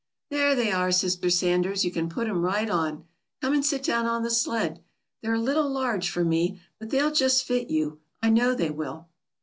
"There they are, Sister Sanders. You can put 'em right on. Come and sit down on the sled. They're a little large for me, but they'll just fit you; I know they will."